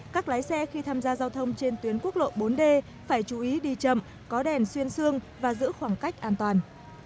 các lái xe khi tham gia giao thông trên tuyến quốc lộ bốn d phải chú ý đi chậm có đèn xuyên xương và giữ khoảng cách an toàn